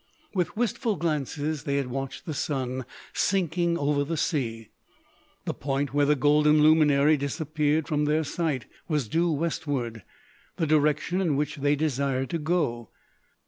With wistful glances they had watched the sun sinking over the sea. The point where the golden luminary disappeared from their sight was due westward, the direction in which they desired to go.